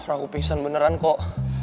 aku pingsan beneran kok